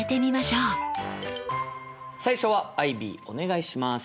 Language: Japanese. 最初はアイビーお願いします。